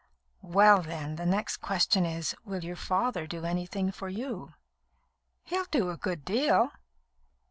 "Well, then, the next question is: Will your father do anything for you?" "He'll do a good deal."